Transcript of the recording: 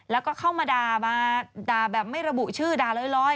แล้วก็เข้ามาด่ามาด่าแบบไม่ระบุชื่อด่าลอย